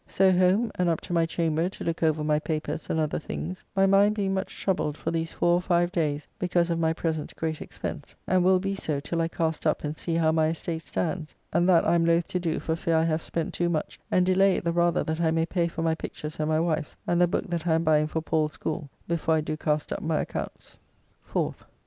So home, and up to my chamber to look over my papers and other things, my mind being much troubled for these four or five days because of my present great expense, and will be so till I cast up and see how my estate stands, and that I am loth to do for fear I have spent too much, and delay it the rather that I may pay for my pictures and my wife's, and the book that I am buying for Paul's School before I do cast up my accompts. 4th.